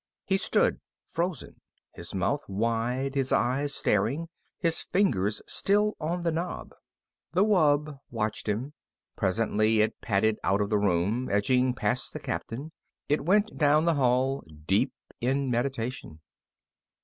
He stood frozen, his mouth wide, his eyes staring, his fingers still on the knob. The wub watched him. Presently it padded out of the room, edging past the Captain. It went down the hall, deep in meditation.